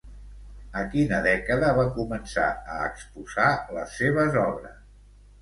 A quina dècada va començar a exposar les seves obres?